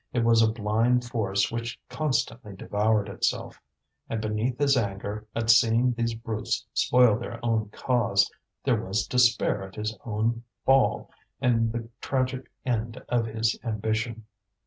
It was a blind force which constantly devoured itself. And beneath his anger at seeing these brutes spoil their own cause, there was despair at his own fall and the tragic end of his ambition.